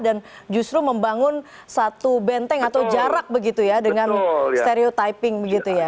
dan justru membangun satu benteng atau jarak begitu ya dengan stereotyping begitu ya